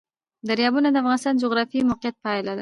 دریابونه د افغانستان د جغرافیایي موقیعت پایله ده.